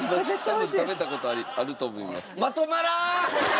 多分食べた事あると思います。